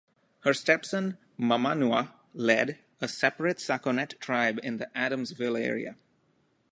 Her step-son Mamannuah led a separate Sakonnet tribe in the Adamsville area.